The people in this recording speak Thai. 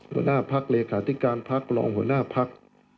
หัวหน้าพรรคเลขาธิการพรรคหลองหัวหน้าพรรค